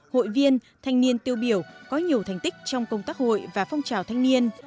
hội viên thanh niên tiêu biểu có nhiều thành tích trong công tác hội và phong trào thanh niên